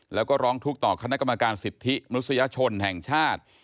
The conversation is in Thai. แล้วก็ร้องทุกข์ต่อคณะกรรมการสิทธิมนุษยชนแห่งชาติ